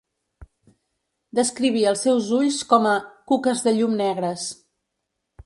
Descrivia els seus ulls com a "cuques de llum negres".